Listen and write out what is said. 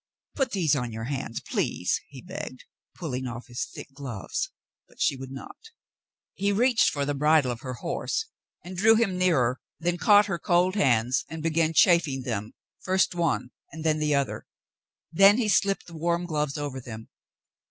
"Put these on your hands, please," he begged, pulling off his thick gloves ; but she would not. He reached for the bridle of her horse and drew him nearer, then caught her cold hands and began chafing them, first one and then the other. Then he slipped the warm gloves over them.